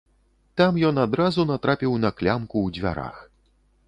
Там ён адразу натрапіў на клямку ў дзвярах.